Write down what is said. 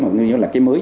mình nhớ là cái mới